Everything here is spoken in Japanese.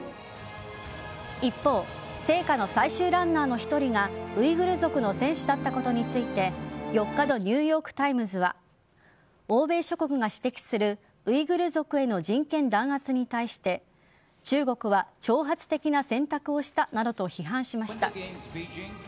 一方聖火の最終ランナーの１人がウイグル族の選手だったことについて４日のニューヨーク・タイムズは欧米諸国が指摘するウイグル族への人権弾圧に対して中国は挑発的な選択をしたなどと批判しました。